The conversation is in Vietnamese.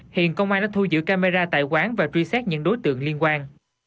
hiện công an đã thu giữ camera tại quán và truy xét những đối tượng liên quan